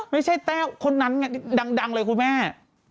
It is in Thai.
แต้วคนนั้นไงดังเลยคุณแม่